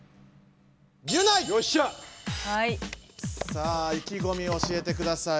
さあ意気ごみを教えてください。